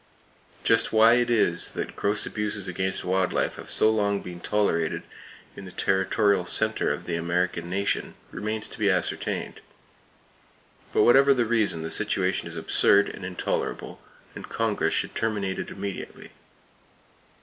Just why it is that gross abuses against wild life have so long been tolerated in the territorial center of the American nation, remains to be ascertained. But, whatever the reason the situation is absurd and intolerable, and Congress should terminate it immediately.